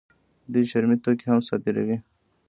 دوی چرمي توکي هم صادروي.